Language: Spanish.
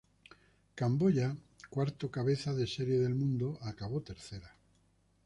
Camboya, cuarto cabeza de serie del mundo, acabó tercera.